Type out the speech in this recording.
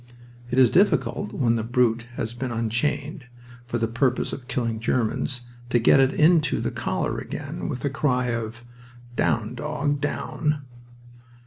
It is difficult when the brute has been unchained, for the purpose of killing Germans, to get it into the collar again with a cry of, "Down, dog, down!"